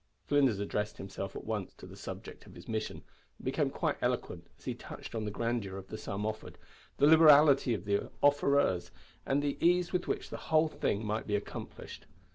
Flinders addressed himself at once to the subject of his mission, and became quite eloquent as he touched on the grandeur of the sum offered, the liberality of the offerers, and the ease with which the whole thing might be accomplished.